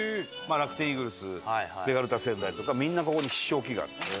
楽天イーグルスベガルタ仙台とかみんなここに必勝祈願に。